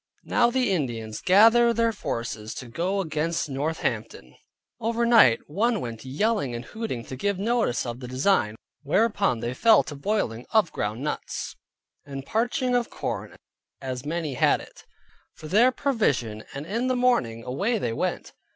Now the Indians gather their forces to go against Northampton. Over night one went about yelling and hooting to give notice of the design. Whereupon they fell to boiling of ground nuts, and parching of corn (as many as had it) for their provision; and in the morning away they went.